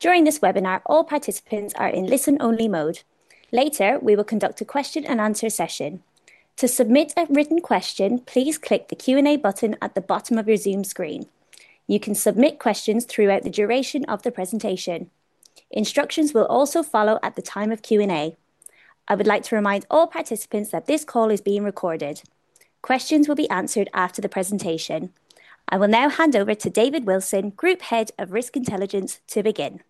During this webinar, all participants are in listen-only mode. Later, we will conduct a question-and-answer session. To submit a written question, please click the Q&A button at the bottom of your Zoom screen. You can submit questions throughout the duration of the presentation. Instructions will also follow at the time of Q&A. I would like to remind all participants that this call is being recorded. Questions will be answered after the presentation. I will now hand over to David Wilson, Group Head of Risk Intelligence, to begin.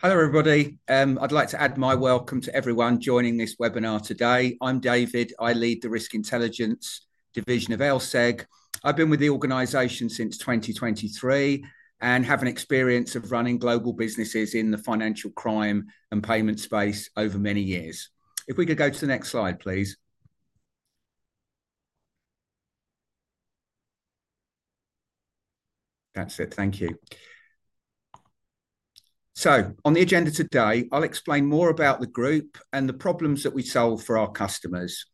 Hello, everybody. I'd like to add my welcome to everyone joining this webinar today. I'm David. I lead the Risk Intelligence Division of LSEG. I've been with the organization since 2023 and have an experience of running global businesses in the financial crime and payment space over many years. If we could go to the next slide, please. That's it. Thank you. On the agenda today, I'll explain more about the group and the problems that we solve for our customers.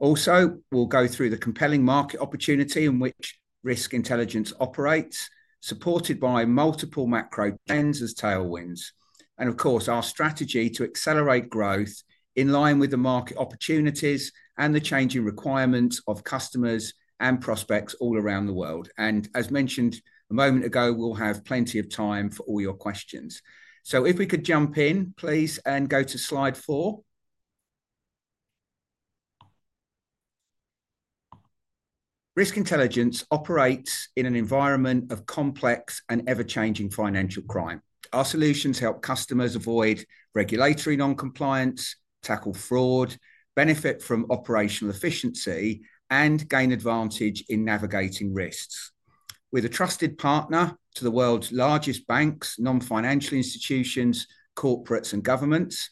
Also, we'll go through the compelling market opportunity in which Risk Intelligence operates, supported by multiple macro trends as tailwinds. Of course, our strategy to accelerate growth in line with the market opportunities and the changing requirements of customers and prospects all around the world. As mentioned a moment ago, we'll have plenty of time for all your questions. If we could jump in, please, and go to slide four. Risk Intelligence operates in an environment of complex and ever-changing financial crime. Our solutions help customers avoid regulatory non-compliance, tackle fraud, benefit from operational efficiency, and gain advantage in navigating risks. With a trusted partner to the world's largest banks, non-financial institutions, corporates, and governments,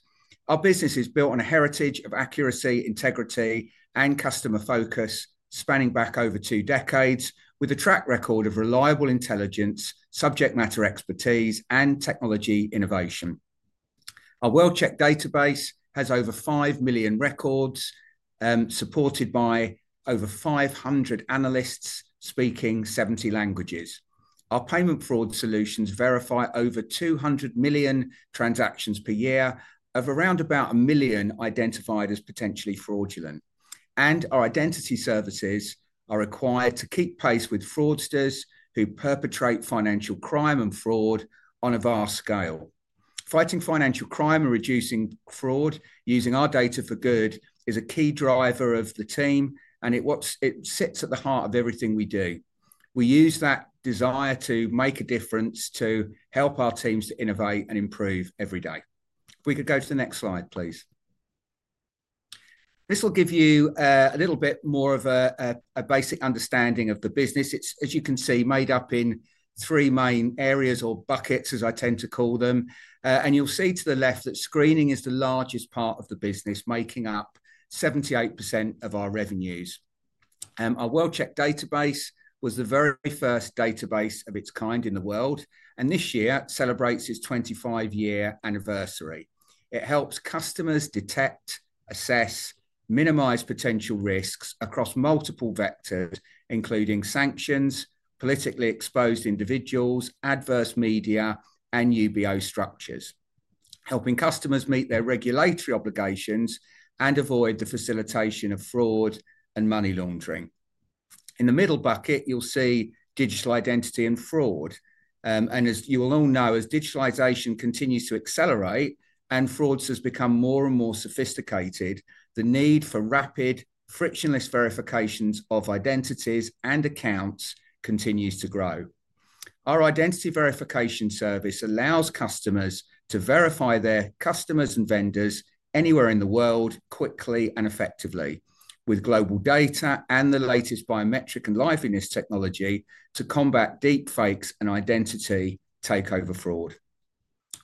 our business is built on a heritage of accuracy, integrity, and customer focus spanning back over two decades, with a track record of reliable intelligence, subject matter expertise, and technology innovation. Our World-Check database has over 5 million records, supported by over 500 analysts speaking 70 languages. Our payment fraud solutions verify over 200 million transactions per year, of around about a million identified as potentially fraudulent. Our identity services are required to keep pace with fraudsters who perpetrate financial crime and fraud on a vast scale. Fighting financial crime and reducing fraud using our data for good is a key driver of the team, and it sits at the heart of everything we do. We use that desire to make a difference to help our teams to innovate and improve every day. If we could go to the next slide, please. This will give you a little bit more of a basic understanding of the business. It is, as you can see, made up in three main areas or buckets, as I tend to call them. You will see to the left that screening is the largest part of the business, making up 78% of our revenues. Our World-Check database was the very first database of its kind in the world, and this year celebrates its 25-year anniversary. It helps customers detect, assess, minimize potential risks across multiple vectors, including sanctions, politically exposed individuals, adverse media, and UBO structures, helping customers meet their regulatory obligations and avoid the facilitation of fraud and money laundering. In the middle bucket, you'll see digital identity and fraud. As you will all know, as digitalization continues to accelerate and fraudsters become more and more sophisticated, the need for rapid, frictionless verifications of identities and accounts continues to grow. Our identity verification service allows customers to verify their customers and vendors anywhere in the world quickly and effectively, with global data and the latest biometric and liveness technology to combat deepfakes and identity takeover fraud.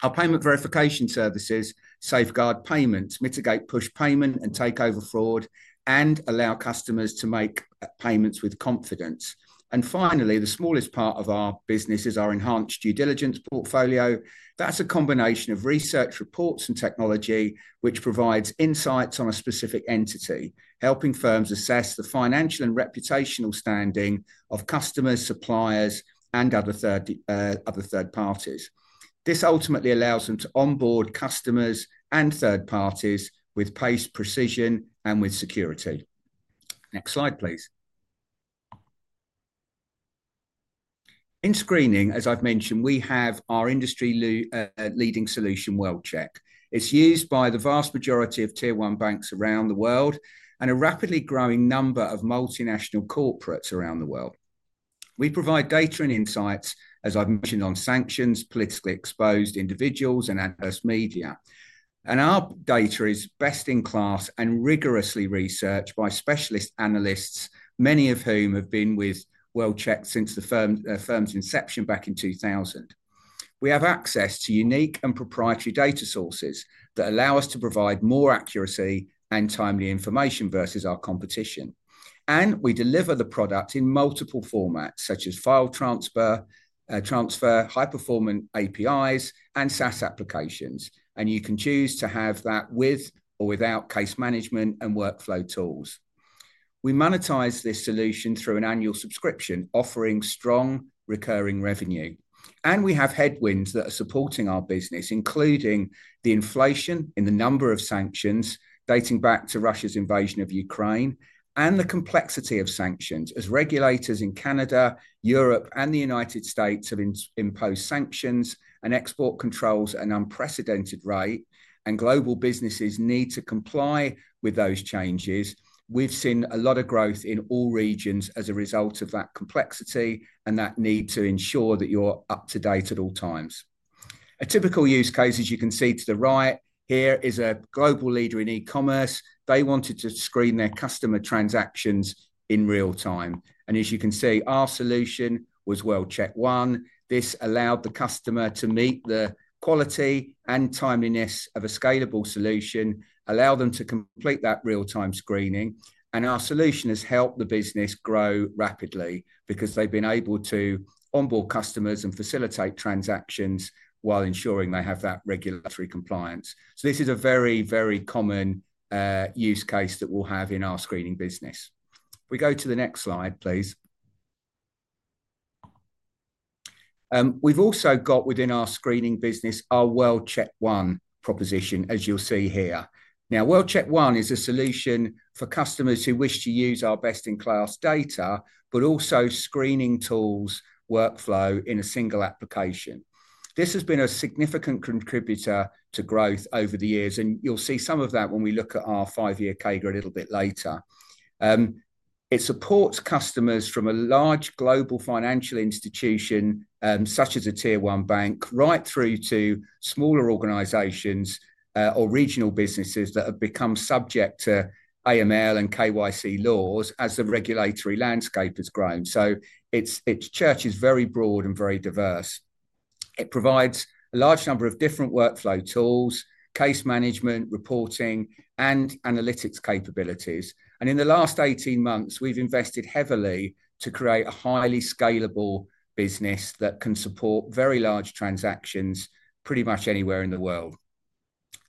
Our payment verification services safeguard payments, mitigate push payment and takeover fraud, and allow customers to make payments with confidence. Finally, the smallest part of our business is our enhanced due diligence portfolio. That's a combination of research, reports, and technology, which provides insights on a specific entity, helping firms assess the financial and reputational standing of customers, suppliers, and other third parties. This ultimately allows them to onboard customers and third parties with pace, precision, and with security. Next slide, please. In screening, as I've mentioned, we have our industry-leading solution, World-Check. It's used by the vast majority of Tier 1 banks around the world and a rapidly growing number of multinational corporates around the world. We provide data and insights, as I've mentioned, on sanctions, politically exposed individuals, and adverse media. Our data is best in class and rigorously researched by specialist analysts, many of whom have been with World-Check since the firm's inception back in 2000. We have access to unique and proprietary data sources that allow us to provide more accuracy and timely information versus our competition. We deliver the product in multiple formats, such as file transfer, high-performance APIs, and SaaS applications. You can choose to have that with or without case management and workflow tools. We monetize this solution through an annual subscription, offering strong recurring revenue. We have headwinds that are supporting our business, including the inflation in the number of sanctions dating back to Russia's invasion of Ukraine and the complexity of sanctions. As regulators in Canada, Europe, and the United States have imposed sanctions and export controls at an unprecedented rate, and global businesses need to comply with those changes, we've seen a lot of growth in all regions as a result of that complexity and that need to ensure that you're up to date at all times. A typical use case, as you can see to the right, here is a global leader in e-commerce. They wanted to screen their customer transactions in real time. As you can see, our solution was World-Check One. This allowed the customer to meet the quality and timeliness of a scalable solution, allowed them to complete that real-time screening. Our solution has helped the business grow rapidly because they've been able to onboard customers and facilitate transactions while ensuring they have that regulatory compliance. This is a very, very common use case that we'll have in our screening business. If we go to the next slide, please. We've also got within our screening business our World-Check One proposition, as you'll see here. Now, World-Check One is a solution for customers who wish to use our best-in-class data, but also screening tools workflow in a single application. This has been a significant contributor to growth over the years, and you'll see some of that when we look at our five-year CAGR a little bit later. It supports customers from a large global financial institution such as a Tier 1 bank, right through to smaller organizations or regional businesses that have become subject to AML and KYC laws as the regulatory landscape has grown. Its church is very broad and very diverse. It provides a large number of different workflow tools, case management, reporting, and analytics capabilities. In the last 18 months, we've invested heavily to create a highly scalable business that can support very large transactions pretty much anywhere in the world.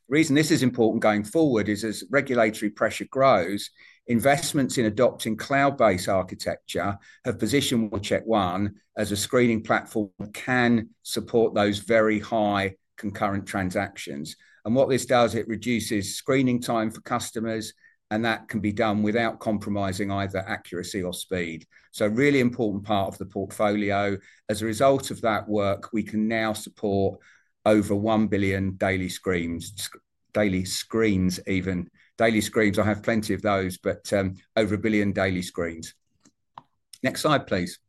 The reason this is important going forward is, as regulatory pressure grows, investments in adopting cloud-based architecture have positioned World-Check One as a screening platform that can support those very high concurrent transactions. What this does, it reduces screening time for customers, and that can be done without compromising either accuracy or speed. A really important part of the portfolio. As a result of that work, we can now support over 1 billion daily screens. I have plenty of those, but over a billion daily screens. Next slide, please.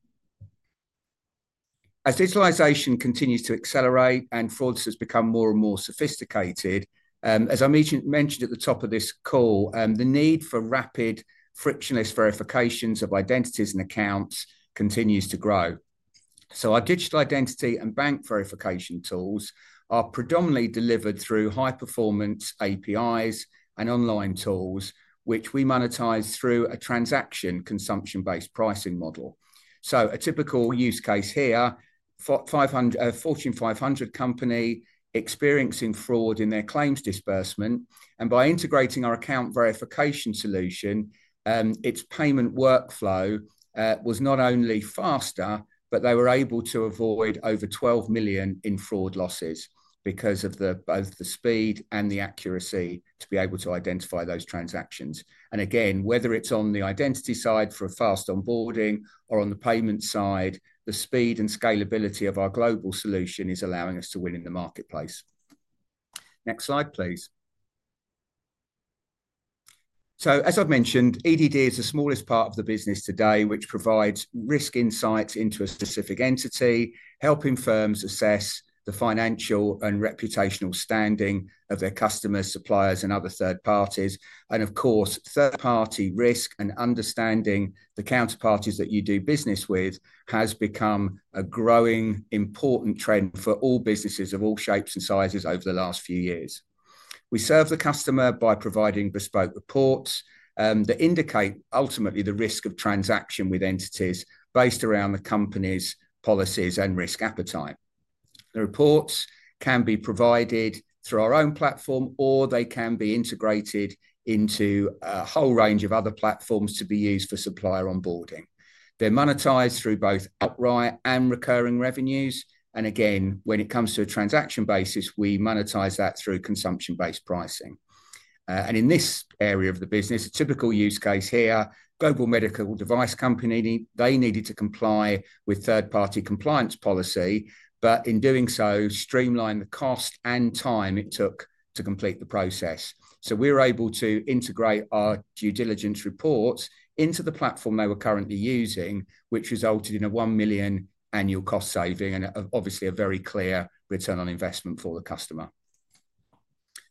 As digitalization continues to accelerate and fraudsters become more and more sophisticated, as I mentioned at the top of this call, the need for rapid, frictionless verifications of identities and accounts continues to grow. Our digital identity and bank verification tools are predominantly delivered through high-performance APIs and online tools, which we monetize through a transaction consumption-based pricing model. A typical use case here, Fortune 500 company experiencing fraud in their claims disbursement. By integrating our account verification solution, its payment workflow was not only faster, but they were able to avoid over $12 million in fraud losses because of both the speed and the accuracy to be able to identify those transactions. Again, whether it's on the identity side for fast onboarding or on the payment side, the speed and scalability of our global solution is allowing us to win in the marketplace. Next slide, please. As I've mentioned, EDD is the smallest part of the business today, which provides risk insights into a specific entity, helping firms assess the financial and reputational standing of their customers, suppliers, and other third parties. Of course, third-party risk and understanding the counterparties that you do business with has become a growing important trend for all businesses of all shapes and sizes over the last few years. We serve the customer by providing bespoke reports that indicate ultimately the risk of transaction with entities based around the company's policies and risk appetite. The reports can be provided through our own platform, or they can be integrated into a whole range of other platforms to be used for supplier onboarding. They are monetized through both outright and recurring revenues. When it comes to a transaction basis, we monetize that through consumption-based pricing. In this area of the business, a typical use case here, a global medical device company, they needed to comply with third-party compliance policy, but in doing so, streamlined the cost and time it took to complete the process. We were able to integrate our due diligence reports into the platform they were currently using, which resulted in a 1 million annual cost saving and obviously a very clear return on investment for the customer.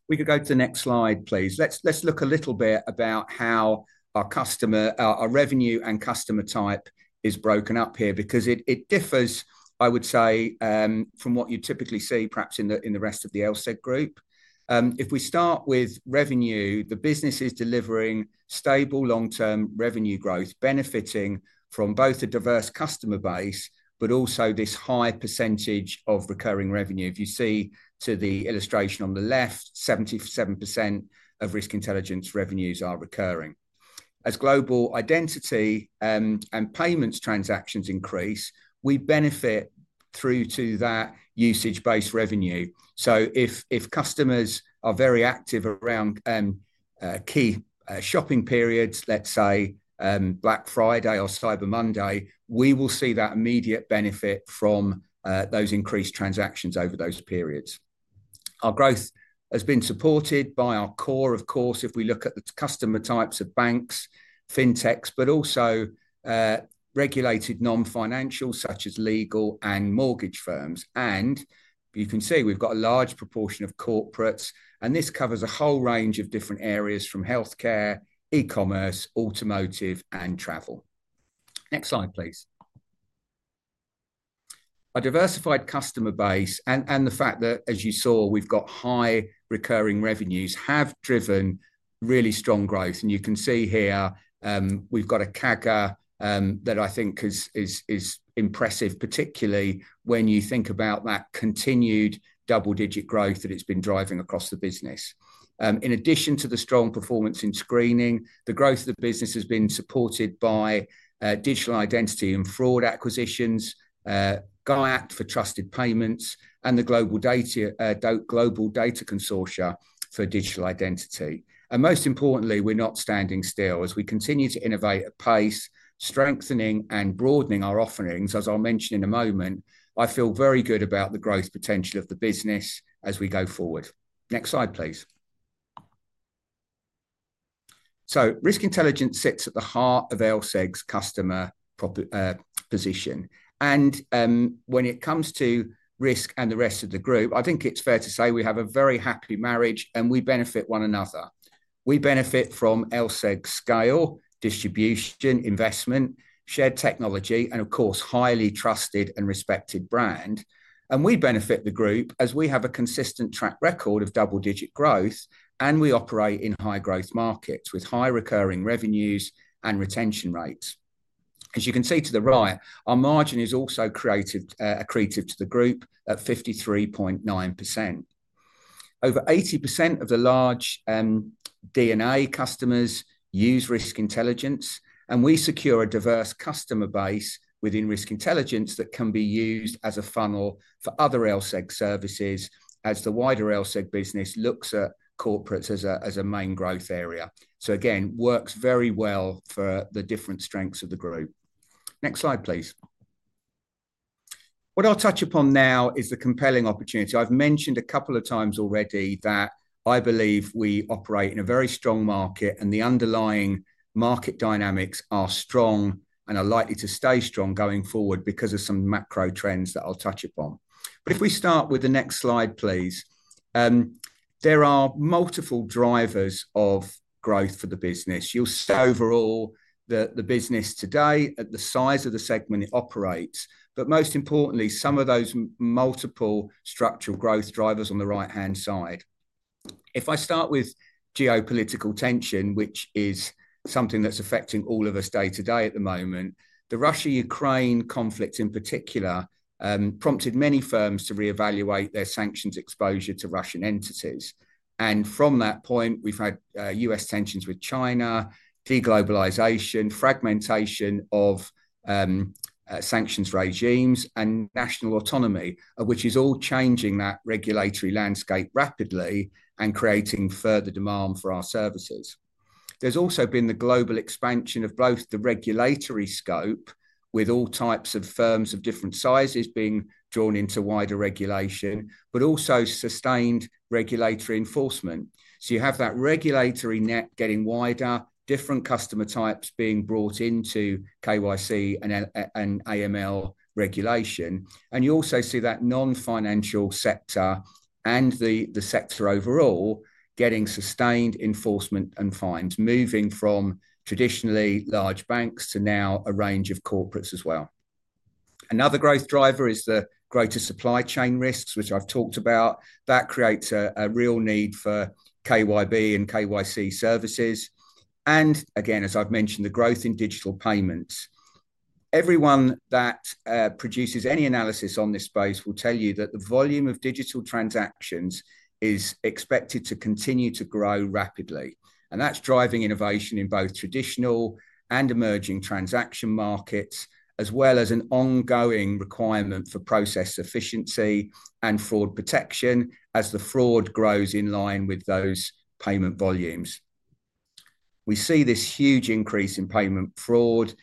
Could we go to the next slide, please. Let's look a little bit at how our revenue and customer type is broken up here because it differs, I would say, from what you typically see perhaps in the rest of the LSEG Group. If we start with revenue, the business is delivering stable long-term revenue growth, benefiting from both a diverse customer base, but also this high percentage of recurring revenue. If you see the illustration on the left, 77% of Risk Intelligence revenues are recurring. As global identity and payments transactions increase, we benefit through to that usage-based revenue. If customers are very active around key shopping periods, let's say Black Friday or Cyber Monday, we will see that immediate benefit from those increased transactions over those periods. Our growth has been supported by our core, of course, if we look at the customer types of banks, fintechs, but also regulated non-financial such as legal and mortgage firms. You can see we've got a large proportion of corporates. This covers a whole range of different areas from healthcare, e-commerce, automotive, and travel. Next slide, please. Our diversified customer base and the fact that, as you saw, we've got high recurring revenues have driven really strong growth. You can see here we've got a CAGR that I think is impressive, particularly when you think about that continued double-digit growth that it's been driving across the business. In addition to the strong performance in screening, the growth of the business has been supported by digital identity and fraud acquisitions, GIACT for trusted payments, and the Global Data Consortium for digital identity. Most importantly, we're not standing still. As we continue to innovate at pace, strengthening and broadening our offerings, as I'll mention in a moment, I feel very good about the growth potential of the business as we go forward. Next slide, please. Risk intelligence sits at the heart of LSEG's customer position. When it comes to risk and the rest of the group, I think it's fair to say we have a very happy marriage, and we benefit one another. We benefit from LSEG scale, distribution, investment, shared technology, and of course, highly trusted and respected brand. We benefit the group as we have a consistent track record of double-digit growth, and we operate in high-growth markets with high recurring revenues and retention rates. As you can see to the right, our margin is also accretive to the group at 53.9%. Over 80% of the large DNA customers use Risk Intelligence, and we secure a diverse customer base within Risk Intelligence that can be used as a funnel for other LSEG services as the wider LSEG business looks at corporates as a main growth area. Again, works very well for the different strengths of the group. Next slide, please. What I'll touch upon now is the compelling opportunity. I've mentioned a couple of times already that I believe we operate in a very strong market, and the underlying market dynamics are strong and are likely to stay strong going forward because of some macro trends that I'll touch upon. If we start with the next slide, please. There are multiple drivers of growth for the business. You'll see overall the business today at the size of the segment it operates, but most importantly, some of those multiple structural growth drivers on the right-hand side. If I start with geopolitical tension, which is something that's affecting all of us day-to-day at the moment, the Russia-Ukraine conflict in particular prompted many firms to reevaluate their sanctions exposure to Russian entities. From that point, we've had U.S. tensions with China, deglobalization, fragmentation of sanctions regimes, and national autonomy, which is all changing that regulatory landscape rapidly and creating further demand for our services. There's also been the global expansion of both the regulatory scope, with all types of firms of different sizes being drawn into wider regulation, but also sustained regulatory enforcement. You have that regulatory net getting wider, different customer types being brought into KYC and AML regulation. You also see that non-financial sector and the sector overall getting sustained enforcement and fines moving from traditionally large banks to now a range of corporates as well. Another growth driver is the greater supply chain risks, which I've talked about. That creates a real need for KYB and KYC services. Again, as I've mentioned, the growth in digital payments. Everyone that produces any analysis on this space will tell you that the volume of digital transactions is expected to continue to grow rapidly. That is driving innovation in both traditional and emerging transaction markets, as well as an ongoing requirement for process efficiency and fraud protection as the fraud grows in line with those payment volumes. We see this huge increase in payment fraud.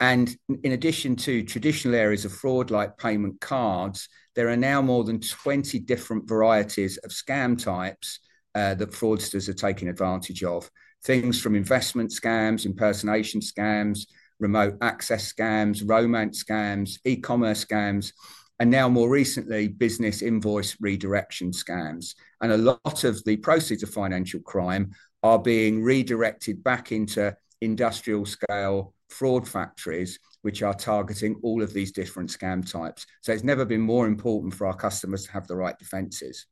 In addition to traditional areas of fraud like payment cards, there are now more than 20 different varieties of scam types that fraudsters are taking advantage of. Things from investment scams, impersonation scams, remote access scams, romance scams, e-commerce scams, and now more recently, business invoice redirection scams. A lot of the proceeds of financial crime are being redirected back into industrial-scale fraud factories, which are targeting all of these different scam types. It's never been more important for our customers to have the right defenses.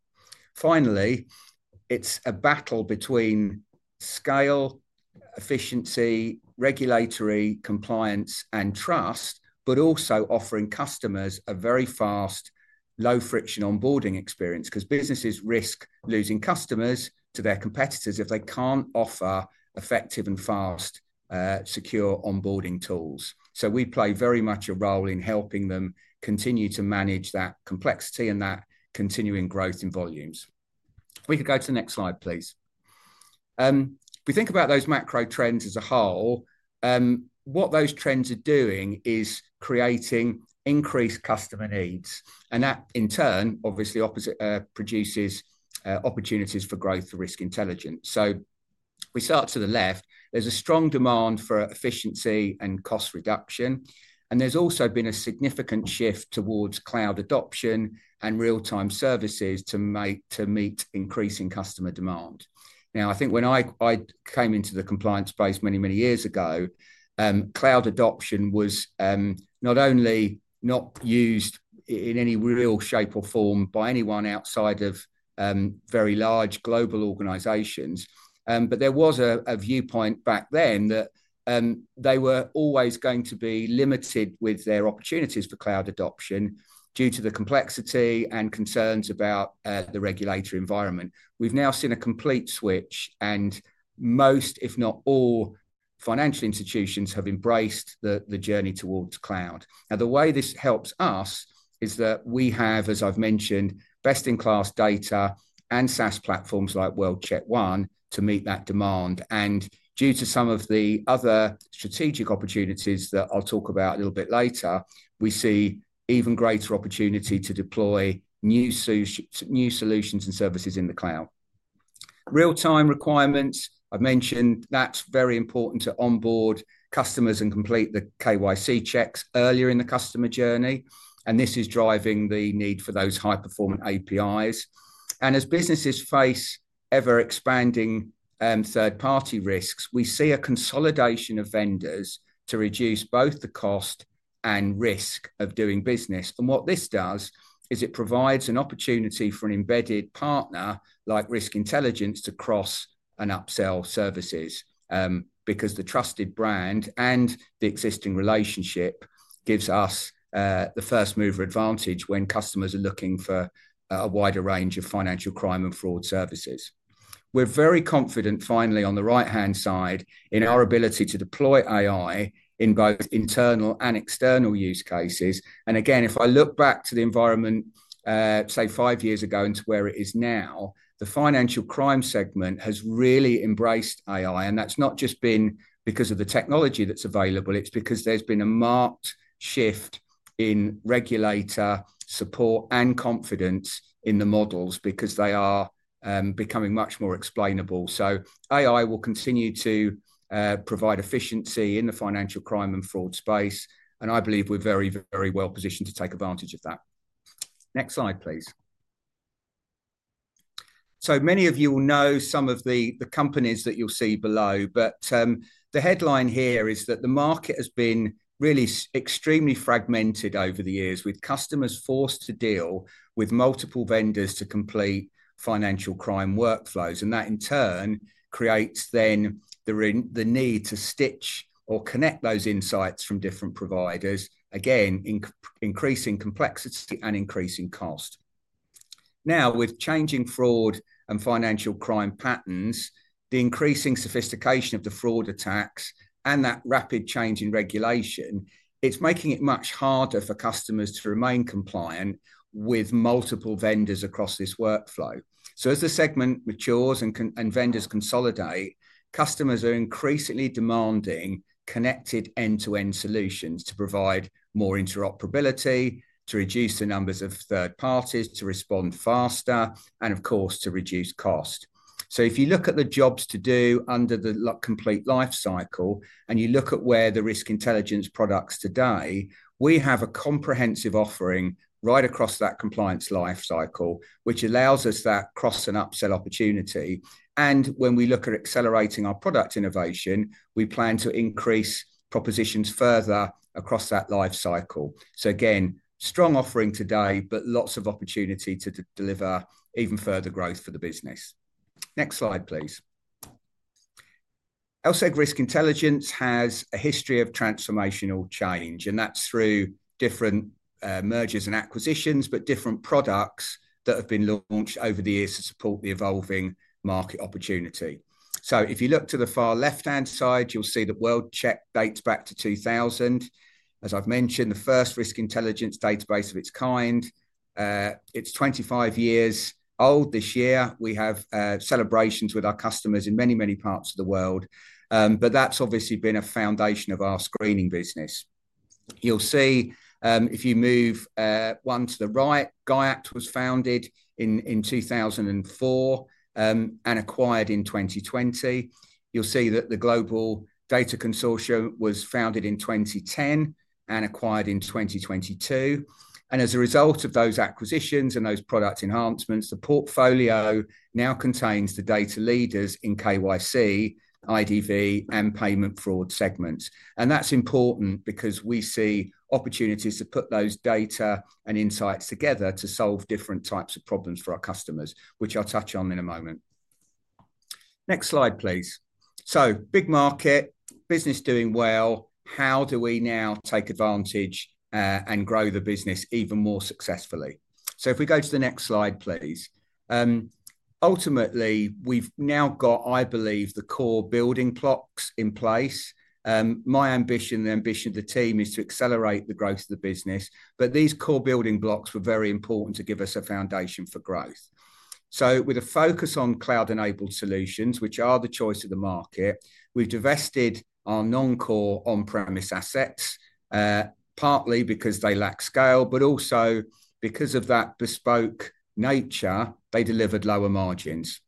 Finally, it's a battle between scale, efficiency, regulatory compliance, and trust, but also offering customers a very fast, low-friction onboarding experience because businesses risk losing customers to their competitors if they can't offer effective and fast, secure onboarding tools. We play very much a role in helping them continue to manage that complexity and that continuing growth in volumes. We could go to the next slide, please. If we think about those macro trends as a whole, what those trends are doing is creating increased customer needs. That, in turn, obviously produces opportunities for growth for Risk Intelligence. We start to the left. There's a strong demand for efficiency and cost reduction. There's also been a significant shift towards cloud adoption and real-time services to meet increasing customer demand. Now, I think when I came into the compliance space many, many years ago, cloud adoption was not only not used in any real shape or form by anyone outside of very large global organizations, but there was a viewpoint back then that they were always going to be limited with their opportunities for cloud adoption due to the complexity and concerns about the regulatory environment. We've now seen a complete switch, and most, if not all, financial institutions have embraced the journey towards cloud. The way this helps us is that we have, as I've mentioned, best-in-class data and SaaS platforms like World-Check One to meet that demand. Due to some of the other strategic opportunities that I'll talk about a little bit later, we see even greater opportunity to deploy new solutions and services in the cloud. Real-time requirements, I've mentioned that's very important to onboard customers and complete the KYC checks earlier in the customer journey. This is driving the need for those high-performant APIs. As businesses face ever-expanding third-party risks, we see a consolidation of vendors to reduce both the cost and risk of doing business. What this does is it provides an opportunity for an embedded partner like Risk Intelligence to cross and upsell services because the trusted brand and the existing relationship gives us the first-mover advantage when customers are looking for a wider range of financial crime and fraud services. We're very confident, finally, on the right-hand side in our ability to deploy AI in both internal and external use cases. If I look back to the environment, say, five years ago into where it is now, the financial crime segment has really embraced AI. That is not just been because of the technology that is available. It is because there has been a marked shift in regulator support and confidence in the models because they are becoming much more explainable. AI will continue to provide efficiency in the financial crime and fraud space. I believe we are very, very well positioned to take advantage of that. Next slide, please. Many of you will know some of the companies that you will see below, but the headline here is that the market has been really extremely fragmented over the years with customers forced to deal with multiple vendors to complete financial crime workflows. That, in turn, creates the need to stitch or connect those insights from different providers, again, increasing complexity and increasing cost. Now, with changing fraud and financial crime patterns, the increasing sophistication of the fraud attacks and that rapid change in regulation, it's making it much harder for customers to remain compliant with multiple vendors across this workflow. As the segment matures and vendors consolidate, customers are increasingly demanding connected end-to-end solutions to provide more interoperability, to reduce the numbers of third parties, to respond faster, and of course, to reduce cost. If you look at the jobs to do under the complete lifecycle and you look at where the Risk Intelligence products today, we have a comprehensive offering right across that compliance lifecycle, which allows us that cross and upsell opportunity. When we look at accelerating our product innovation, we plan to increase propositions further across that lifecycle. Again, strong offering today, but lots of opportunity to deliver even further growth for the business. Next slide, please. LSEG Risk Intelligence has a history of transformational change, and that's through different mergers and acquisitions, but different products that have been launched over the years to support the evolving market opportunity. If you look to the far left-hand side, you'll see that World-Check dates back to 2000. As I've mentioned, the first Risk Intelligence database of its kind. It's 25 years old this year. We have celebrations with our customers in many, many parts of the world. That's obviously been a foundation of our screening business. If you move one to the right, GIACT was founded in 2004 and acquired in 2020. You'll see that Global Data Consortium was founded in 2010 and acquired in 2022. As a result of those acquisitions and those product enhancements, the portfolio now contains the data leaders in KYC, IDV, and payment fraud segments. That is important because we see opportunities to put those data and insights together to solve different types of problems for our customers, which I'll touch on in a moment. Next slide, please. Big market, business doing well. How do we now take advantage and grow the business even more successfully? If we go to the next slide, please. Ultimately, we've now got, I believe, the core building blocks in place. My ambition, the ambition of the team, is to accelerate the growth of the business. These core building blocks were very important to give us a foundation for growth. With a focus on cloud-enabled solutions, which are the choice of the market, we've divested our non-core on-premise assets, partly because they lack scale, but also because of that bespoke nature, they delivered lower margins.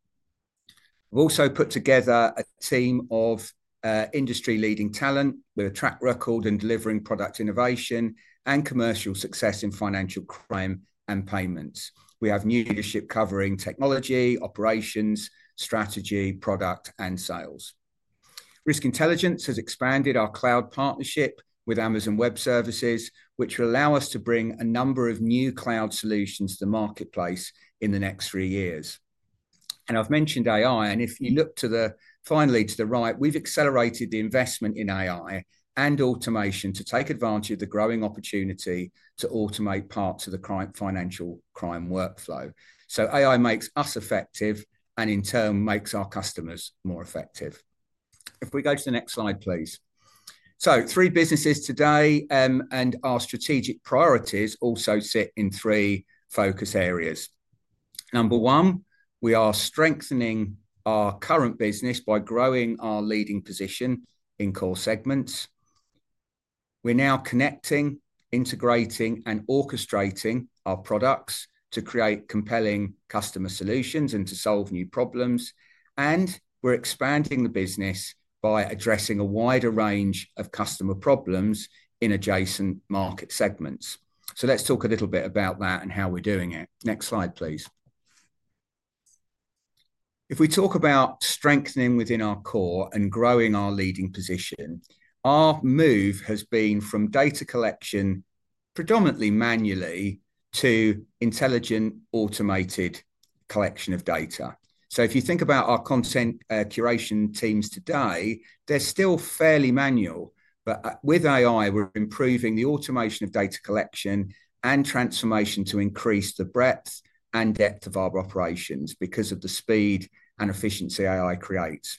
We've also put together a team of industry-leading talent have a track record in delivering product innovation and commercial success in financial crime and payments. We have new leadership covering technology, operations, strategy, product, and sales. Risk Intelligence has expanded our cloud partnership with Amazon Web Services, which will allow us to bring a number of new cloud solutions to the marketplace in the next three years. I have mentioned AI. If you look finally to the right, we have accelerated the investment in AI and automation to take advantage of the growing opportunity to automate parts of the financial crime workflow. AI makes us effective and, in turn, makes our customers more effective. If we go to the next slide, please. Three businesses today, and our strategic priorities also sit in three focus areas. Number one, we are strengthening our current business by growing our leading position in core segments. We're now connecting, integrating, and orchestrating our products to create compelling customer solutions and to solve new problems. We're expanding the business by addressing a wider range of customer problems in adjacent market segments. Let's talk a little bit about that and how we're doing it. Next slide, please. If we talk about strengthening within our core and growing our leading position, our move has been from data collection predominantly manually to intelligent automated collection of data. If you think about our content curation teams today, they're still fairly manual. With AI, we're improving the automation of data collection and transformation to increase the breadth and depth of our operations because of the speed and efficiency AI creates.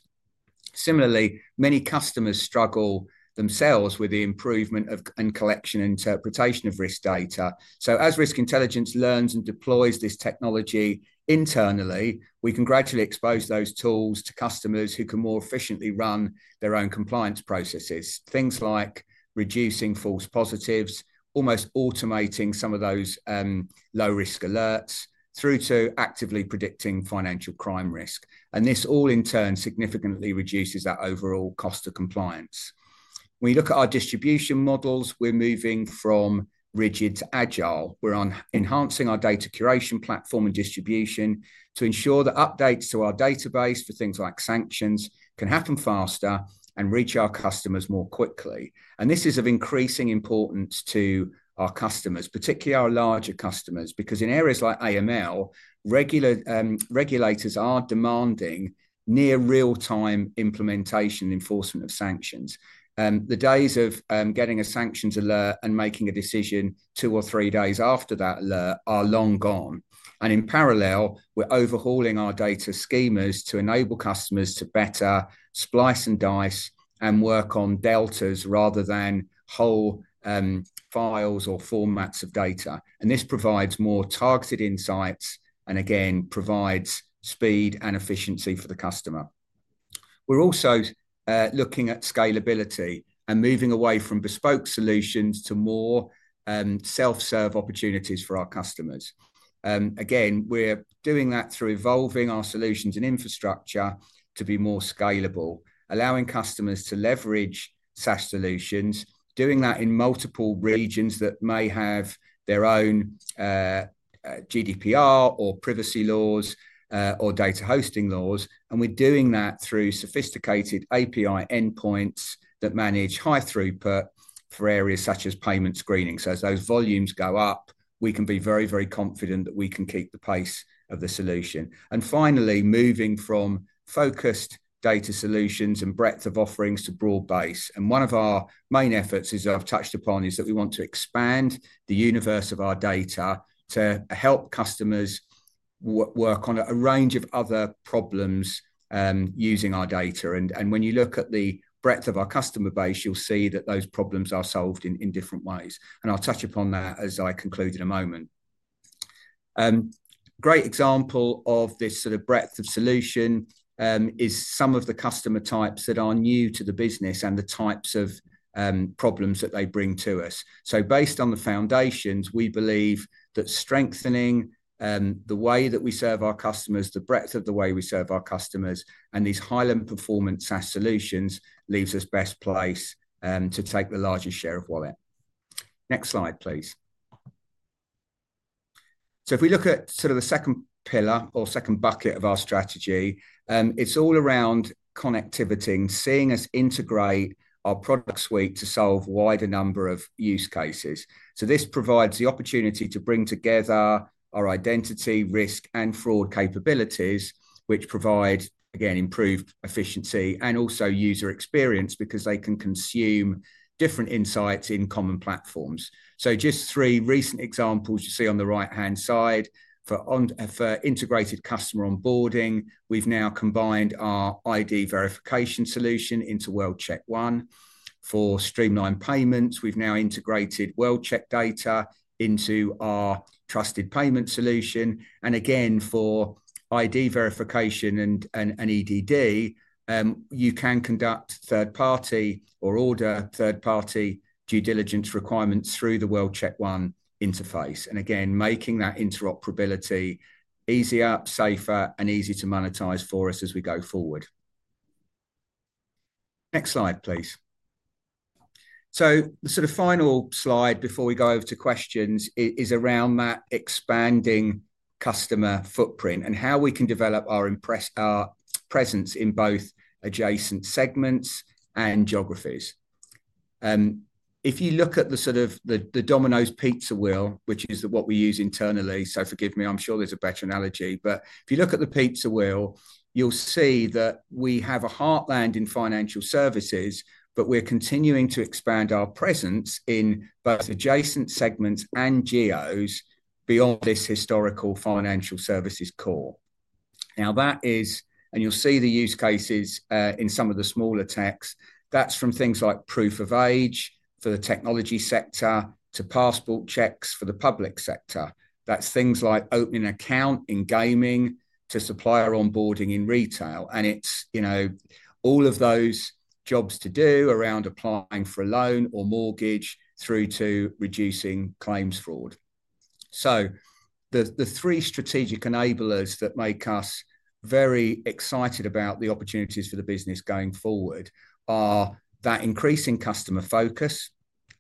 Similarly, many customers struggle themselves with the improvement and collection and interpretation of risk data. As Risk Intelligence learns and deploys this technology internally, we can gradually expose those tools to customers who can more efficiently run their own compliance processes, things like reducing false positives, almost automating some of those low-risk alerts through to actively predicting financial crime risk. This all, in turn, significantly reduces that overall cost of compliance. When you look at our distribution models, we're moving from rigid to agile. We're enhancing our data curation platform and distribution to ensure that updates to our database for things like sanctions can happen faster and reach our customers more quickly. This is of increasing importance to our customers, particularly our larger customers, because in areas like AML, regulators are demanding near real-time implementation and enforcement of sanctions. The days of getting a sanctions alert and making a decision two or three days after that alert are long gone. In parallel, we're overhauling our data schemas to enable customers to better splice and dice and work on deltas rather than whole files or formats of data. This provides more targeted insights and, again, provides speed and efficiency for the customer. We're also looking at scalability and moving away from bespoke solutions to more self-serve opportunities for our customers. We're doing that through evolving our solutions and infrastructure to be more scalable, allowing customers to leverage SaaS solutions, doing that in multiple regions that may have their own GDPR or privacy laws or data hosting laws. We're doing that through sophisticated API endpoints that manage high throughput for areas such as payment screening. As those volumes go up, we can be very, very confident that we can keep the pace of the solution. Finally, moving from focused data solutions and breadth of offerings to broad base. One of our main efforts, as I've touched upon, is that we want to expand the universe of our data to help customers work on a range of other problems using our data. When you look at the breadth of our customer base, you'll see that those problems are solved in different ways. I'll touch upon that as I conclude in a moment. A great example of this sort of breadth of solution is some of the customer types that are new to the business and the types of problems that they bring to us. Based on the foundations, we believe that strengthening the way that we serve our customers, the breadth of the way we serve our customers, and these high-end performance SaaS solutions leaves us best placed to take the largest share of wallet. Next slide, please. If we look at sort of the second pillar or second bucket of our strategy, it's all around connectivity and seeing us integrate our product suite to solve a wider number of use cases. This provides the opportunity to bring together our identity, risk, and fraud capabilities, which provide, again, improved efficiency and also user experience because they can consume different insights in common platforms. Just three recent examples you see on the right-hand side for integrated customer onboarding. We've now combined our ID verification solution into World-Check One. For streamlined payments, we've now integrated World-Check data into our trusted payment solution. Again, for ID verification and EDD, you can conduct third-party or order third-party due diligence requirements through the World-Check One interface. Again, making that interoperability easier, safer, and easier to monetize for us as we go forward. Next slide, please. The sort of final slide before we go over to questions is around that expanding customer footprint and how we can develop our presence in both adjacent segments and geographies. If you look at the sort of the Domino's Pizza wheel, which is what we use internally, so forgive me, I'm sure there's a better analogy. If you look at the pizza wheel, you'll see that we have a heartland in financial services, but we're continuing to expand our presence in both adjacent segments and geos beyond this historical financial services core. Now, that is, and you'll see the use cases in some of the smaller texts. That's from things like proof of age for the technology sector to passport checks for the public sector. That's things like opening an account in gaming to supplier onboarding in retail. It's all of those jobs to do around applying for a loan or mortgage through to reducing claims fraud. The three strategic enablers that make us very excited about the opportunities for the business going forward are that increasing customer focus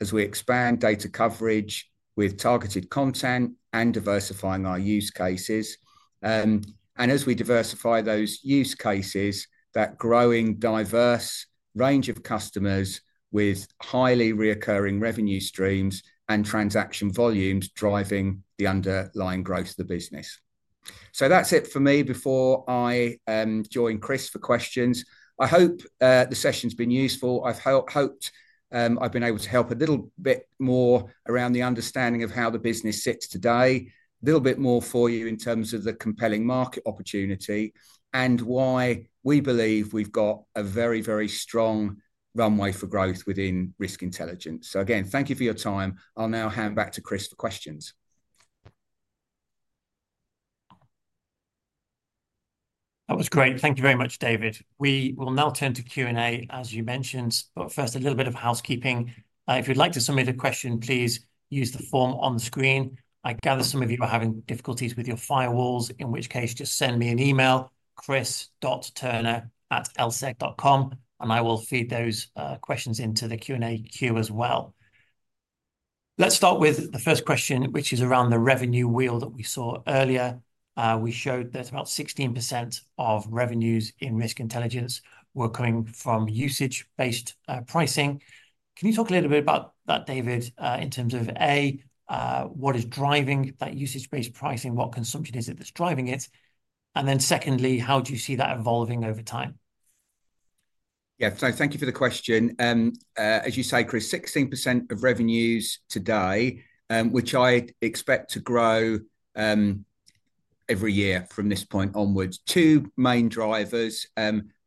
as we expand data coverage with targeted content and diversifying our use cases. As we diversify those use cases, that growing diverse range of customers with highly recurring revenue streams and transaction volumes driving the underlying growth of the business. That's it for me before I join Chris for questions. I hope the session's been useful. I've hoped I've been able to help a little bit more around the understanding of how the business sits today, a little bit more for you in terms of the compelling market opportunity and why we believe we've got a very, very strong runway for growth within Risk Intelligence. So again, thank you for your time. I'll now hand back to Chris for questions. That was great. Thank you very much, David. We will now turn to Q&A, as you mentioned. First, a little bit of housekeeping. If you'd like to submit a question, please use the form on the screen. I gather some of you are having difficulties with your firewalls, in which case just send me an email, chris.turner@lseg.com, and I will feed those questions into the Q&A queue as well. Let's start with the first question, which is around the revenue wheel that we saw earlier. We showed that about 16% of revenues in Risk Intelligence were coming from usage-based pricing. Can you talk a little bit about that, David, in terms of, A, what is driving that usage-based pricing? What consumption is it that's driving it? Secondly, how do you see that evolving over time? Yeah, thank you for the question. As you say, Chris, 16% of revenues today, which I expect to grow every year from this point onwards. Two main drivers.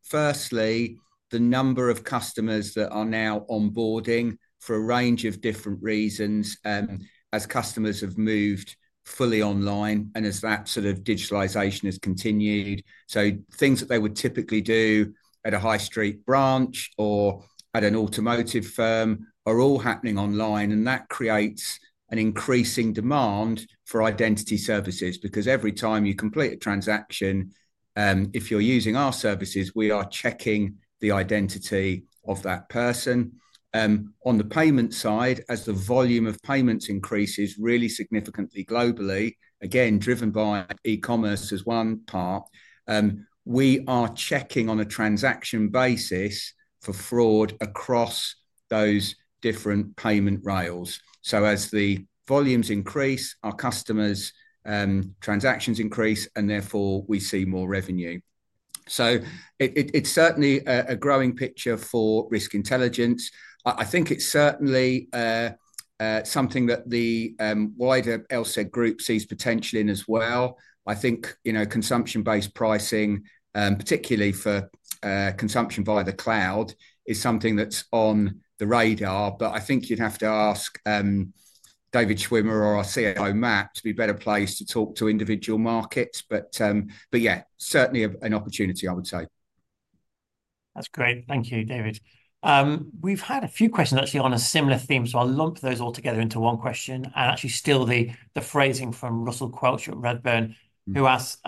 Firstly, the number of customers that are now onboarding for a range of different reasons as customers have moved fully online and as that sort of digitalization has continued. Things that they would typically do at a high street branch or at an automotive firm are all happening online. That creates an increasing demand for identity services because every time you complete a transaction, if you're using our services, we are checking the identity of that person. On the payment side, as the volume of payments increases really significantly globally, again, driven by e-commerce as one part, we are checking on a transaction basis for fraud across those different payment rails. As the volumes increase, our customers' transactions increase, and therefore we see more revenue. It is certainly a growing picture for Risk Intelligence. I think it is certainly something that the wider LSEG Group sees potential in as well. I think consumption-based pricing, particularly for consumption via the cloud, is something that is on the radar. I think you would have to ask David Schwimmer or our COO, MAP, to be better placed to talk to individual markets. Yeah, certainly an opportunity, I would say. That's great. Thank you, David. We've had a few questions, actually, on a similar theme. I'll lump those all together into one question. Actually, I'll steal the phrasing from Russell Quelch at Redburn, who asks,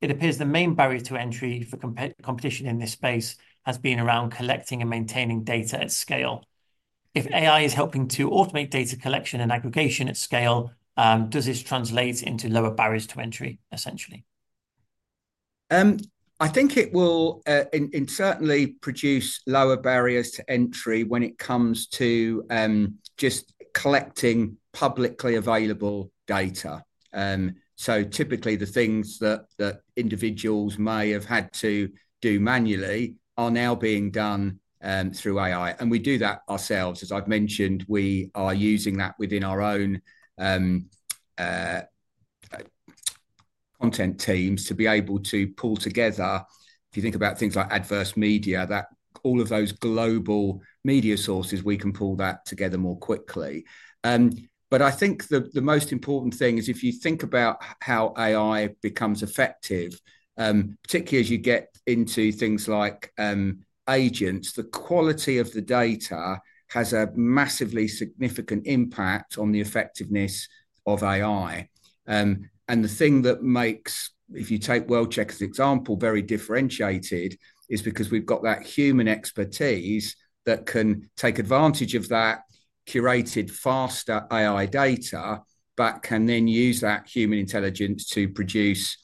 "It appears the main barrier to entry for competition in this space has been around collecting and maintaining data at scale. If AI is helping to automate data collection and aggregation at scale, does this translate into lower barriers to entry, essentially?" I think it will certainly produce lower barriers to entry when it comes to just collecting publicly available data. Typically, the things that individuals may have had to do manually are now being done through AI. We do that ourselves. As I've mentioned, we are using that within our own content teams to be able to pull together, if you think about things like adverse media, all of those global media sources, we can pull that together more quickly. I think the most important thing is if you think about how AI becomes effective, particularly as you get into things like agents, the quality of the data has a massively significant impact on the effectiveness of AI. The thing that makes, if you take World-Check as an example, very differentiated is because we've got that human expertise that can take advantage of that curated faster AI data but can then use that human intelligence to produce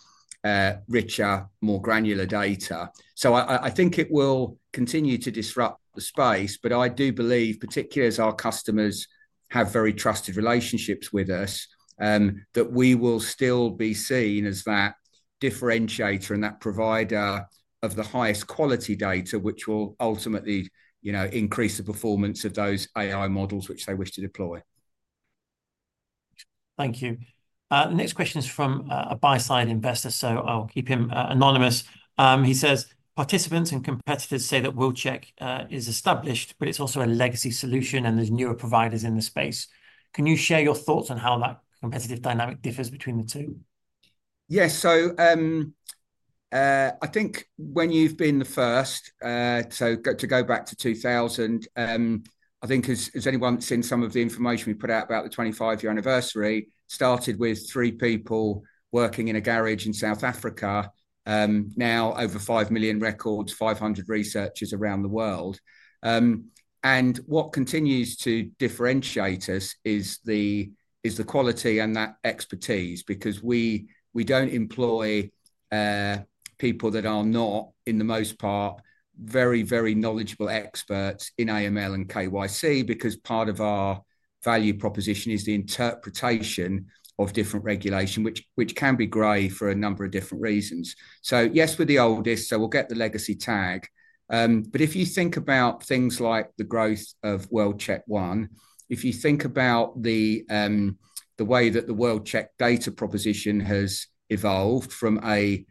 richer, more granular data. I think it will continue to disrupt the space. But I do believe, particularly as our customers have very trusted relationships with us, that we will still be seen as that differentiator and that provider of the highest quality data, which will ultimately increase the performance of those AI models which they wish to deploy. Thank you. The next question is from a buy-side investor, so I'll keep him anonymous. He says, "Participants and competitors say that World-Check is established, but it's also a legacy solution, and there's newer providers in the space. Can you share your thoughts on how that competitive dynamic differs between the two?" Yes. I think when you've been the first, to go back to 2000, I think as anyone's seen some of the information we put out about the 25-year anniversary, started with three people working in a garage in South Africa, now over 5 million records, 500 researchers around the world. What continues to differentiate us is the quality and that expertise because we do not employ people that are not, in the most part, very, very knowledgeable experts in AML and KYC because part of our value proposition is the interpretation of different regulation, which can be gray for a number of different reasons. Yes, we are the oldest, so we will get the legacy tag. If you think about things like the growth of World-Check One, if you think about the way that the World-Check data proposition has evolved from a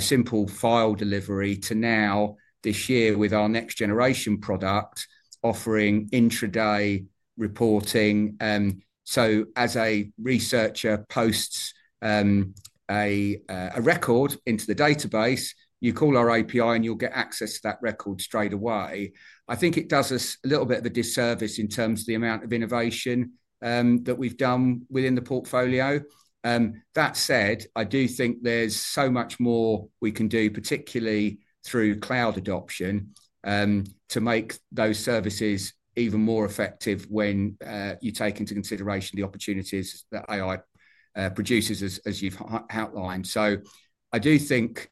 simple file delivery to now, this year, with our next-generation product offering intraday reporting. As a researcher posts a record into the database, you call our API, and you will get access to that record straight away. I think it does us a little bit of a disservice in terms of the amount of innovation that we've done within the portfolio. That said, I do think there's so much more we can do, particularly through cloud adoption, to make those services even more effective when you take into consideration the opportunities that AI produces, as you've outlined. I do think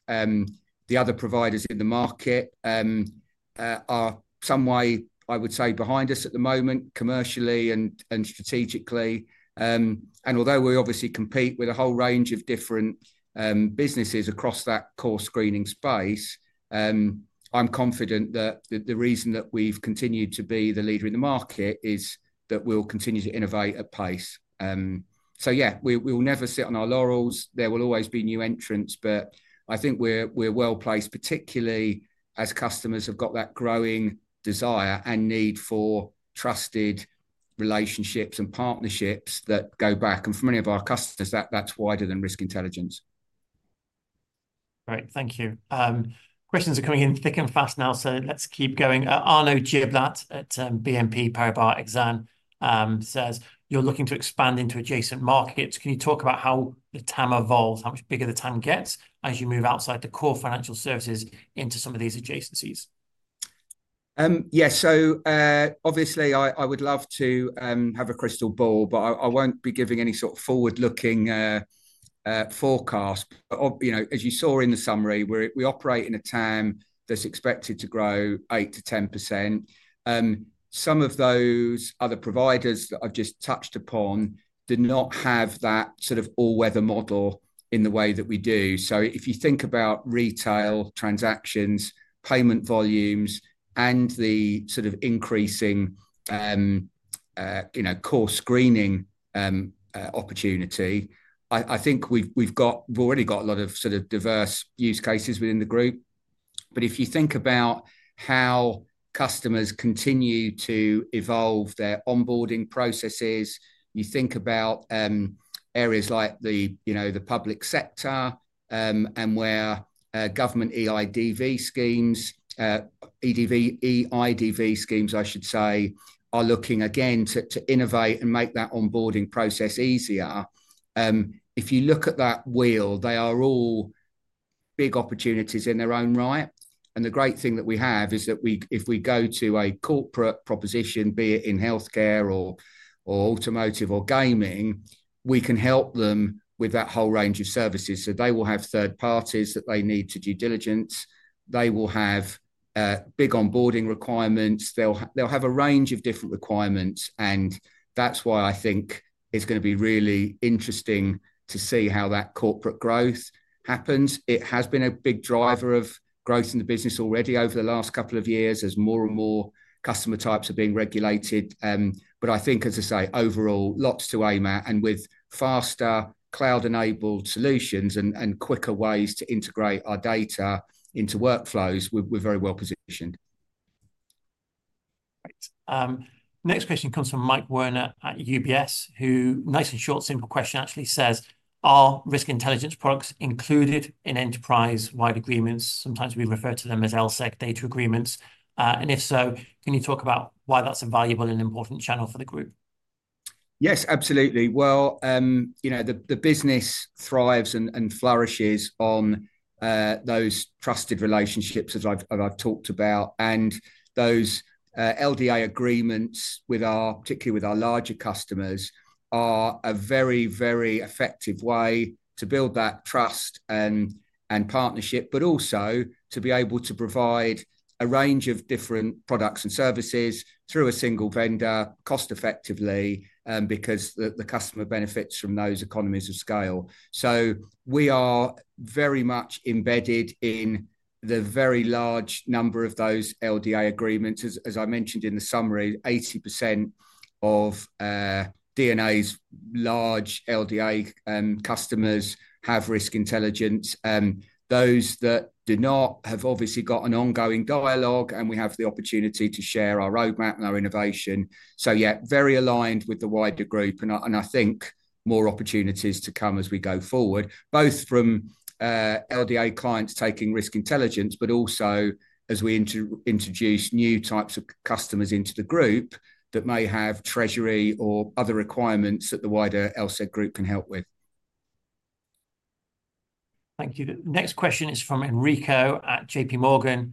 the other providers in the market are some way, I would say, behind us at the moment commercially and strategically. Although we obviously compete with a whole range of different businesses across that core screening space, I'm confident that the reason that we've continued to be the leader in the market is that we'll continue to innovate at pace. Yeah, we will never sit on our laurels. There will always be new entrants. I think we're well placed, particularly as customers have got that growing desire and need for trusted relationships and partnerships that go back. For many of our customers, that's wider than Risk Intelligence. Right. Thank you. Questions are coming in thick and fast now, so let's keep going. Arnaud Giblat at BNP Paribas Exane says, "You're looking to expand into adjacent markets. Can you talk about how the TAM evolves, how much bigger the TAM gets as you move outside the core financial services into some of these adjacencies?" Yeah. Obviously, I would love to have a crystal ball, but I won't be giving any sort of forward-looking forecast. As you saw in the summary, we operate in a TAM that's expected to grow 8%-10%. Some of those other providers that I've just touched upon do not have that sort of all-weather model in the way that we do. If you think about retail transactions, payment volumes, and the sort of increasing core screening opportunity, I think we've already got a lot of sort of diverse use cases within the group. If you think about how customers continue to evolve their onboarding processes, you think about areas like the public sector and where government eIDV schemes, eDV, eIDV schemes, I should say, are looking again to innovate and make that onboarding process easier. If you look at that wheel, they are all big opportunities in their own right. The great thing that we have is that if we go to a corporate proposition, be it in healthcare or automotive or gaming, we can help them with that whole range of services. They will have third parties that they need to do diligence. They will have big onboarding requirements. They'll have a range of different requirements. That's why I think it's going to be really interesting to see how that corporate growth happens. It has been a big driver of growth in the business already over the last couple of years as more and more customer types are being regulated. I think, as I say, overall, lots to aim at. With faster cloud-enabled solutions and quicker ways to integrate our data into workflows, we're very well positioned. Next question comes from Mike Werner at UBS, who, nice and short, simple question, actually says, "Are Risk Intelligence products included in enterprise-wide agreements? Sometimes we refer to them as LSEG data agreements. If so, can you talk about why that's a valuable and important channel for the group?" Yes, absolutely. The business thrives and flourishes on those trusted relationships as I've talked about. Those LDA agreements, particularly with our larger customers, are a very, very effective way to build that trust and partnership, but also to be able to provide a range of different products and services through a single vendor cost-effectively because the customer benefits from those economies of scale. We are very much embedded in the very large number of those LDA agreements. As I mentioned in the summary, 80% of D&A's large LDA customers have Risk Intelligence. Those that do not have obviously got an ongoing dialogue, and we have the opportunity to share our roadmap and our innovation. Yeah, very aligned with the wider group. I think more opportunities to come as we go forward, both from LDA clients taking Risk Intelligence, but also as we introduce new types of customers into the group that may have treasury or other requirements that the wider LSEG Group can help with. Thank you. The next question is from Enrico at JPMorgan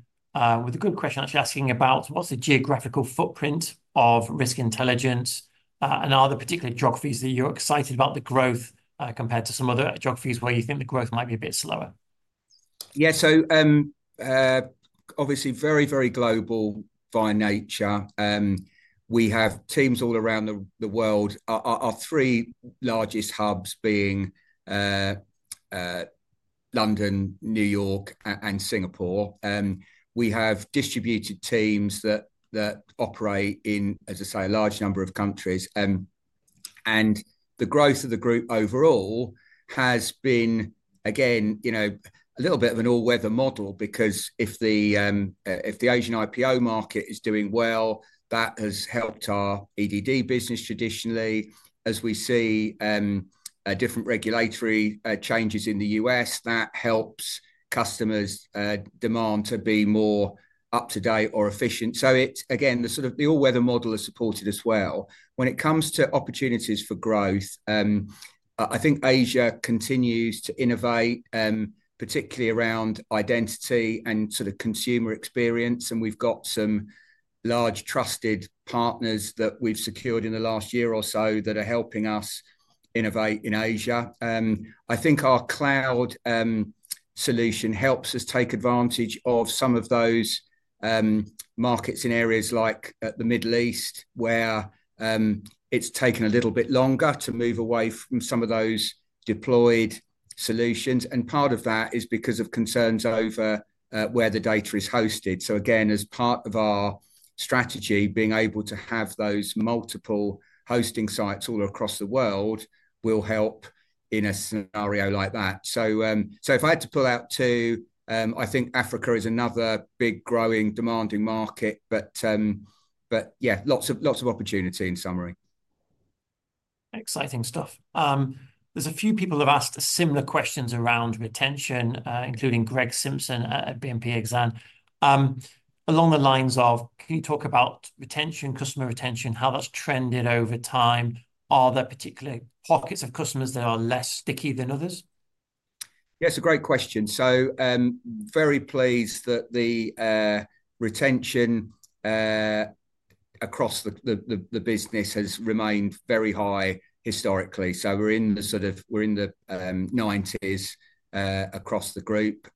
with a good question, actually asking about what's the geographical footprint of Risk Intelligence? And are there particular geographies that you're excited about the growth compared to some other geographies where you think the growth might be a bit slower? Yeah. Obviously, very, very global by nature. We have teams all around the world. Our three largest hubs being London, New York, and Singapore. We have distributed teams that operate in, as I say, a large number of countries. The growth of the group overall has been, again, a little bit of an all-weather model because if the Asian IPO market is doing well, that has helped our EDD business traditionally. As we see different regulatory changes in the U.S., that helps customers' demand to be more up-to-date or efficient. The all-weather model is supported as well. When it comes to opportunities for growth, I think Asia continues to innovate, particularly around identity and sort of consumer experience. We've got some large trusted partners that we've secured in the last year or so that are helping us innovate in Asia. I think our cloud solution helps us take advantage of some of those markets in areas like the Middle East where it's taken a little bit longer to move away from some of those deployed solutions. Part of that is because of concerns over where the data is hosted. Again, as part of our strategy, being able to have those multiple hosting sites all across the world will help in a scenario like that. If I had to pull out two, I think Africa is another big growing, demanding market. Yeah, lots of opportunity in summary. Exciting stuff. There are a few people who have asked similar questions around retention, including Greg Simpson at BNP Exane. Along the lines of, can you talk about retention, customer retention, how that's trended over time? Are there particular pockets of customers that are less sticky than others? Yeah, it's a great question. Very pleased that the retention across the business has remained very high historically. We're in the 90% across the group.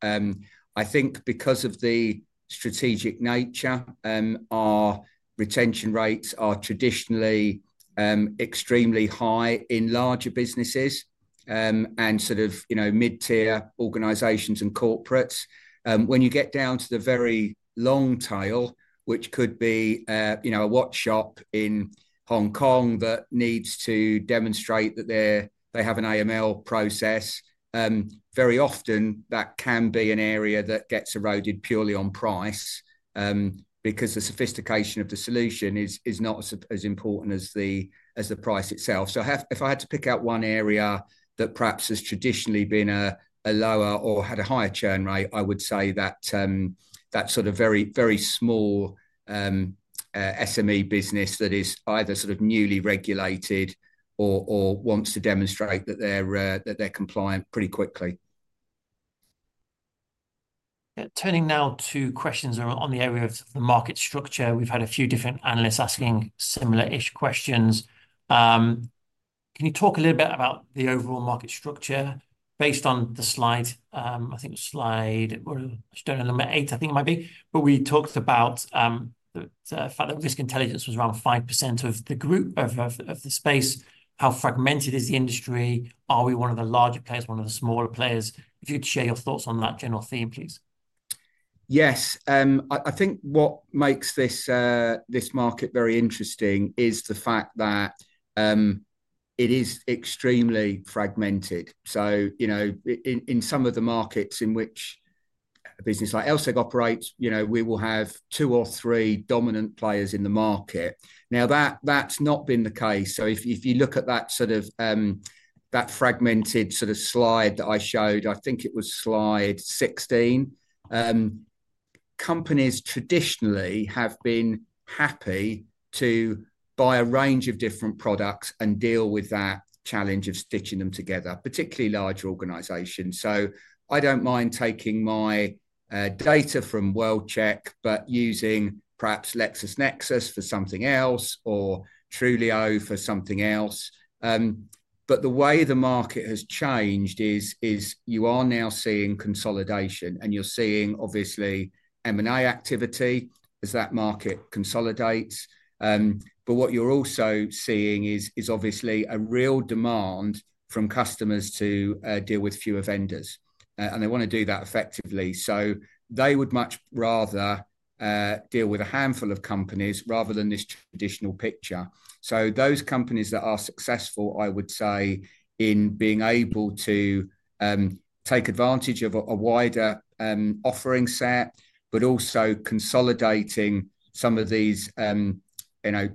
I think because of the strategic nature, our retention rates are traditionally extremely high in larger businesses and sort of mid-tier organizations and corporates. When you get down to the very long tail, which could be a watch shop in Hong Kong that needs to demonstrate that they have an AML process, very often that can be an area that gets eroded purely on price because the sophistication of the solution is not as important as the price itself. If I had to pick out one area that perhaps has traditionally been a lower or had a higher churn rate, I would say that sort of very small SME business that is either sort of newly regulated or wants to demonstrate that they're compliant pretty quickly. Turning now to questions on the area of the market structure. We've had a few different analysts asking similar-ish questions. Can you talk a little bit about the overall market structure based on the slide? I think slide, I do not know, number eight, I think it might be. We talked about the fact that Risk Intelligence was around 5% of the group, of the space. How fragmented is the industry? Are we one of the larger players, one of the smaller players? If you could share your thoughts on that general theme, please. Yes. I think what makes this market very interesting is the fact that it is extremely fragmented. In some of the markets in which a business like LSEG operates, we will have two or three dominant players in the market. That has not been the case. If you look at that fragmented sort of slide that I showed, I think it was slide 16, companies traditionally have been happy to buy a range of different products and deal with that challenge of stitching them together, particularly large organizations. I do not mind taking my data from World-Check, but using perhaps LexisNexis for something else or Trulioo for something else. The way the market has changed is you are now seeing consolidation, and you are seeing, obviously, M&A activity as that market consolidates. What you are also seeing is obviously a real demand from customers to deal with fewer vendors. They want to do that effectively. They would much rather deal with a handful of companies rather than this traditional picture. Those companies that are successful, I would say, in being able to take advantage of a wider offering set, but also consolidating some of these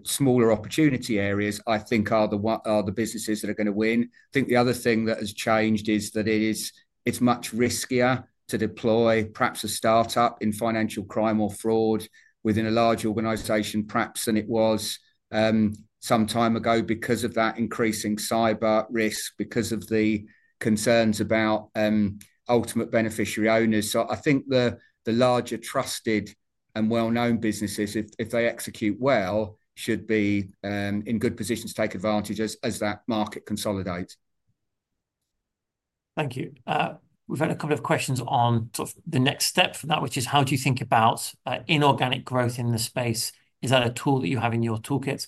smaller opportunity areas, I think are the businesses that are going to win. I think the other thing that has changed is that it's much riskier to deploy perhaps a startup in financial crime or fraud within a large organization perhaps than it was some time ago because of that increasing cyber risk, because of the concerns about ultimate beneficial owners. I think the larger trusted and well-known businesses, if they execute well, should be in good position to take advantage as that market consolidates. Thank you. We've had a couple of questions on sort of the next step for that, which is, how do you think about inorganic growth in the space? Is that a tool that you have in your toolkit?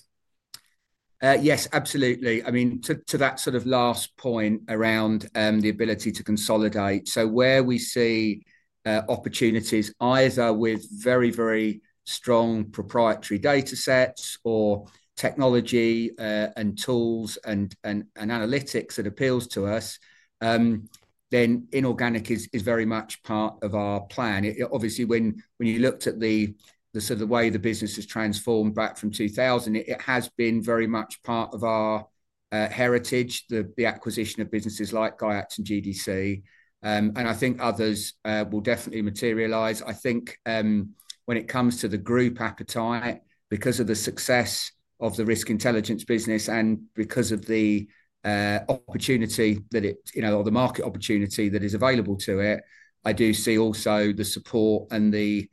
Yes, absolutely. I mean, to that sort of last point around the ability to consolidate. Where we see opportunities, either with very, very strong proprietary data sets or technology and tools and analytics that appeals to us, then inorganic is very much part of our plan. Obviously, when you look at the sort of the way the business has transformed back from 2000, it has been very much part of our heritage, the acquisition of businesses like GIACT and GDC. I think others will definitely materialize. I think when it comes to the group appetite, because of the success of the Risk Intelligence business and because of the opportunity or the market opportunity that is available to it, I do see also the support and the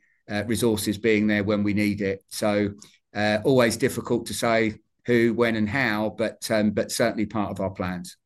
resources being there when we need it. Always difficult to say who, when, and how, but certainly part of our plans.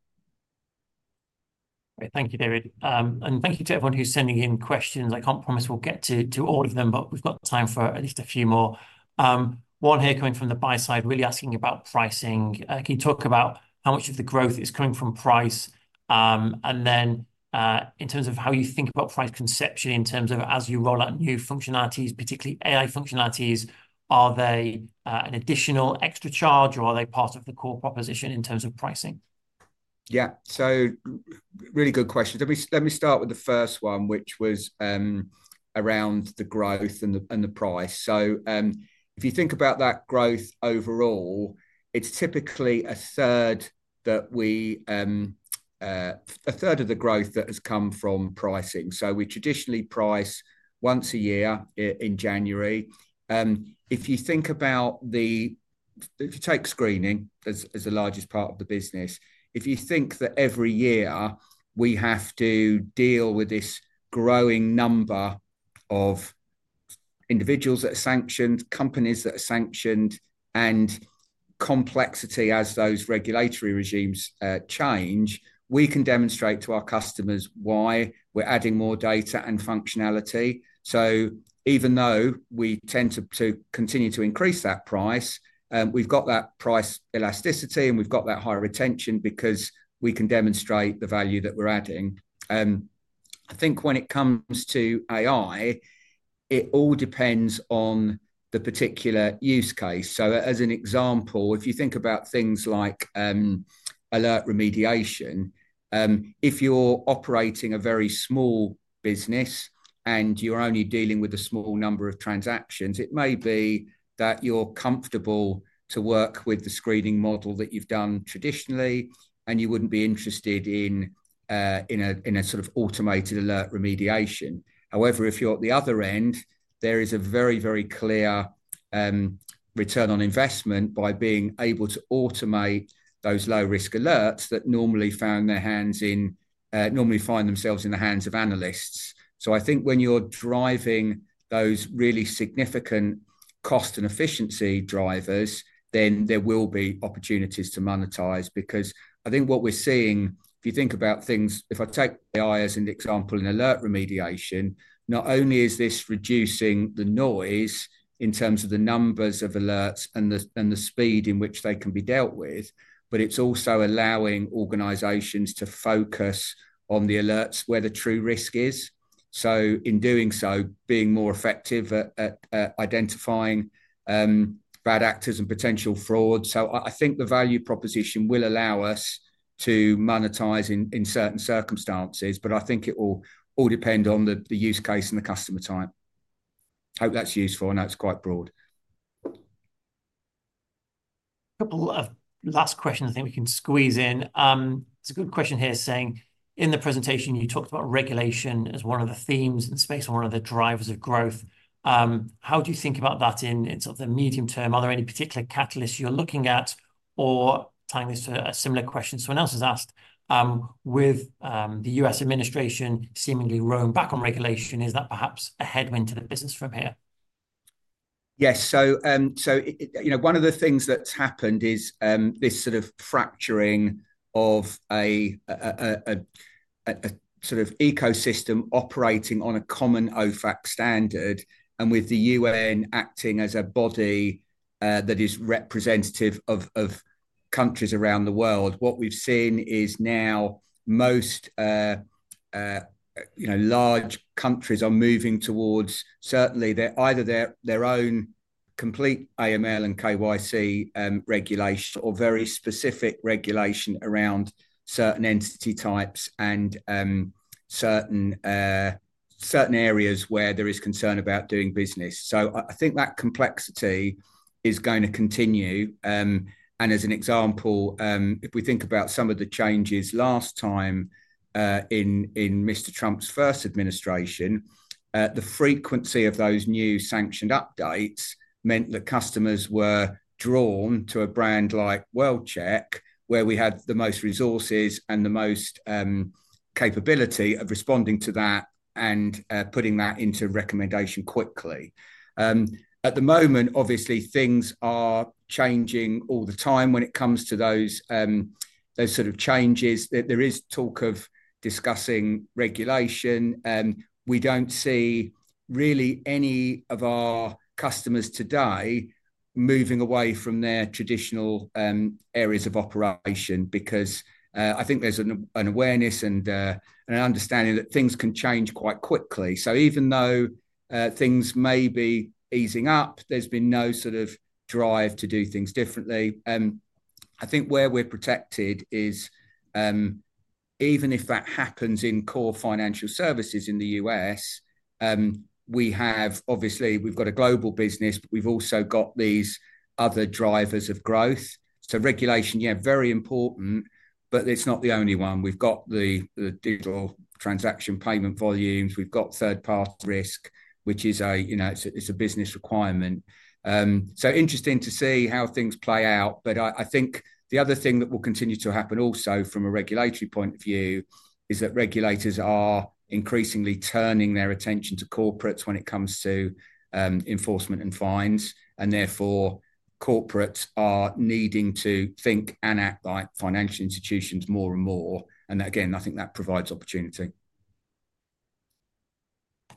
Thank you, David. Thank you to everyone who's sending in questions. I can't promise we'll get to all of them, but we've got time for at least a few more. One here coming from the buy side, really asking about pricing. Can you talk about how much of the growth is coming from price? In terms of how you think about price conceptually, in terms of as you roll out new functionalities, particularly AI functionalities, are they an additional extra charge or are they part of the core proposition in terms of pricing? Yeah. Really good question. Let me start with the first one, which was around the growth and the price. If you think about that growth overall, it's typically a third of the growth that has come from pricing. We traditionally price once a year in January. If you take screening as the largest part of the business, if you think that every year we have to deal with this growing number of individuals that are sanctioned, companies that are sanctioned, and complexity as those regulatory regimes change, we can demonstrate to our customers why we're adding more data and functionality. Even though we tend to continue to increase that price, we've got that price elasticity and we've got that high retention because we can demonstrate the value that we're adding. I think when it comes to AI, it all depends on the particular use case. As an example, if you think about things like alert remediation, if you're operating a very small business and you're only dealing with a small number of transactions, it may be that you're comfortable to work with the screening model that you've done traditionally, and you wouldn't be interested in a sort of automated alert remediation. However, if you're at the other end, there is a very, very clear return on investment by being able to automate those low-risk alerts that normally find themselves in the hands of analysts. So I think when you're driving those really significant cost and efficiency drivers, then there will be opportunities to monetize because I think what we're seeing, if you think about things, if I take AI as an example in alert remediation, not only is this reducing the noise in terms of the numbers of alerts and the speed in which they can be dealt with, but it's also allowing organizations to focus on the alerts where the true risk is. In doing so, being more effective at identifying bad actors and potential fraud. I think the value proposition will allow us to monetize in certain circumstances, but I think it will all depend on the use case and the customer type. Hope that's useful. I know it's quite broad. Couple of last questions I think we can squeeze in. It's a good question here saying, in the presentation, you talked about regulation as one of the themes and space, one of the drivers of growth. How do you think about that in sort of the medium term? Are there any particular catalysts you're looking at? Or tying this to a similar question someone else has asked, with the U.S. administration seemingly rowing back on regulation, is that perhaps a headwind to the business from here? Yes. One of the things that's happened is this sort of fracturing of a sort of ecosystem operating on a common OFAC standard. With the UN acting as a body that is representative of countries around the world, what we've seen is now most large countries are moving towards certainly either their own complete AML and KYC regulation or very specific regulation around certain entity types and certain areas where there is concern about doing business. I think that complexity is going to continue. As an example, if we think about some of the changes last time in Mr. Trump's first administration, the frequency of those new sanctioned updates meant that customers were drawn to a brand like World-Check, where we had the most resources and the most capability of responding to that and putting that into recommendation quickly. At the moment, obviously, things are changing all the time when it comes to those sort of changes. There is talk of discussing regulation. We do not see really any of our customers today moving away from their traditional areas of operation because I think there is an awareness and an understanding that things can change quite quickly. Even though things may be easing up, there has been no sort of drive to do things differently. I think where we are protected is even if that happens in core financial services in the U.S., we have obviously got a global business, but we have also got these other drivers of growth. Regulation, yeah, very important, but it is not the only one. We have got the digital transaction payment volumes. We have got third-party risk, which is a business requirement. Interesting to see how things play out. I think the other thing that will continue to happen also from a regulatory point of view is that regulators are increasingly turning their attention to corporates when it comes to enforcement and fines. Therefore, corporates are needing to think and act like financial institutions more and more. Again, I think that provides opportunity.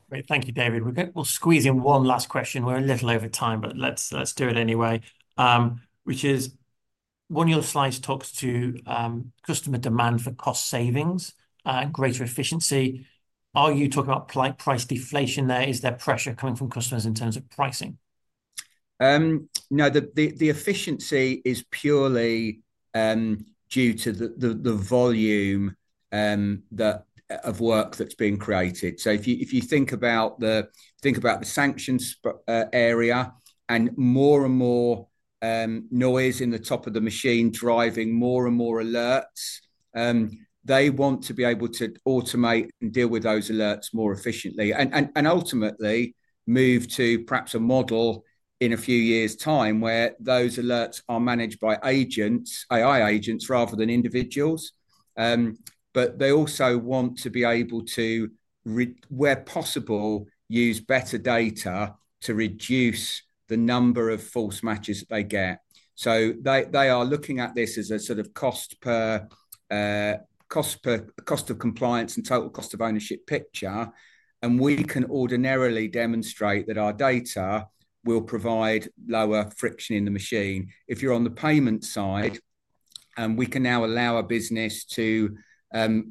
Great. Thank you, David. We'll squeeze in one last question. We're a little over time, but let's do it anyway, which is, when your slice talks to customer demand for cost savings and greater efficiency, are you talking about price deflation there? Is there pressure coming from customers in terms of pricing? No, the efficiency is purely due to the volume of work that's being created. If you think about the sanctions area and more and more noise in the top of the machine driving more and more alerts, they want to be able to automate and deal with those alerts more efficiently and ultimately move to perhaps a model in a few years' time where those alerts are managed by AI agents rather than individuals. They also want to be able to, where possible, use better data to reduce the number of false matches that they get. They are looking at this as a sort of cost of compliance and total cost of ownership picture. We can ordinarily demonstrate that our data will provide lower friction in the machine. If you're on the payment side, we can now allow a business to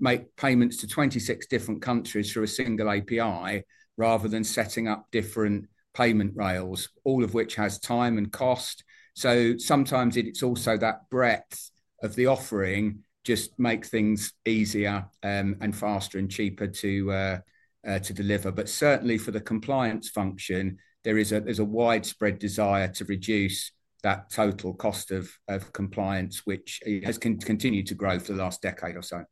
make payments to 26 different countries through a single API rather than setting up different payment rails, all of which has time and cost. Sometimes it's also that breadth of the offering just makes things easier and faster and cheaper to deliver. Certainly, for the compliance function, there is a widespread desire to reduce that total cost of compliance, which has continued to grow for the last decade or so.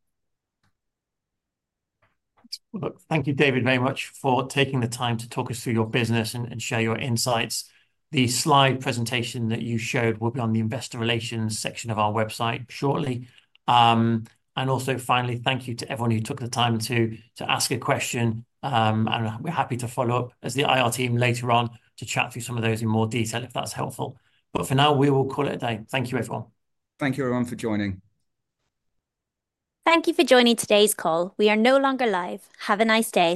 Thank you, David, very much for taking the time to talk us through your business and share your insights. The slide presentation that you showed will be on the Investor Relations section of our website shortly. Also, finally, thank you to everyone who took the time to ask a question. We're happy to follow up as the IR team later on to chat through some of those in more detail if that's helpful. For now, we will call it a day. Thank you, everyone. Thank you, everyone, for joining. Thank you for joining today's call. We are no longer live. Have a nice day.